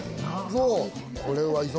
そう。